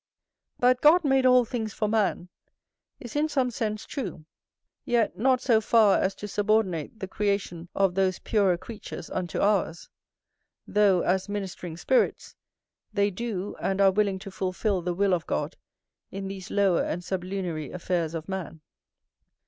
That God made all things for man, is in some sense true; yet, not so far as to subordinate the creation of those purer creatures unto ours; though, as ministering spirits, they do, and are willing to fulfil the will of God in these lower and sublunary affairs of man.